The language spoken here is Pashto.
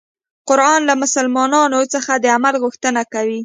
قرآن له مسلمان څخه د عمل غوښتنه کوي.